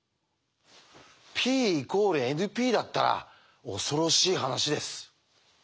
Ｐ＝ＮＰだったら恐ろしい話です。